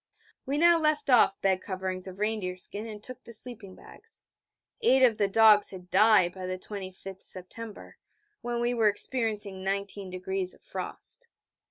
We now left off bed coverings of reindeer skin and took to sleeping bags. Eight of the dogs had died by the 25th September, when we were experiencing 19° of frost.